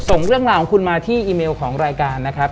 ส่งเรื่องราวของคุณมาที่อีเมลของรายการนะครับ